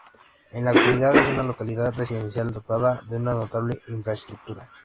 En la actualidad es una localidad residencial dotada de una notable infraestructura.